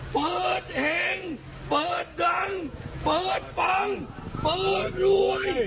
เปิดเห็งเปิดดังเปิดฟังเปิดรวย